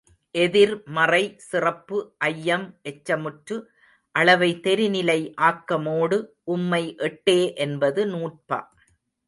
எதிர்மறை சிறப்பு ஐயம் எச்சம்முற்று அளவை தெரிநிலை ஆக்கமோடு உம்மை எட்டே என்பது நூற்பா.